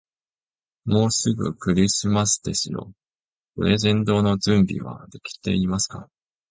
もうすぐクリスマスですよ。プレゼントの準備はできていますか。